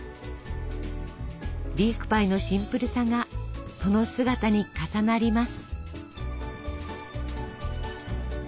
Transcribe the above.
リーフパイのシンプルさがその姿に重なります。